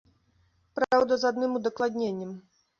Праўда, з адным удакладненнем.